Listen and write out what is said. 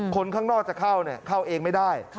คนข้างนอกจะเข้าเข้าเองไม่ได้